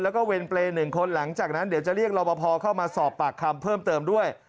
แล้วก็เวรเปรย์๑คนหลังจากนั้นเดี๋ยวจะเรียกรอบพอเข้ามาสอบปากคำเพิ่มเติมด้วย